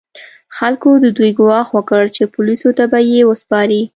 خلکو د دوی ګواښ وکړ چې پولیسو ته به یې وسپاري.